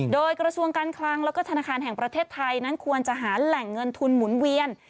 โดยกระทรวงการคลังแล้วก็ธนาคารแห่งประเทศไทยนั้นควรจะหาแหล่งเงินทุนหมุนเวียน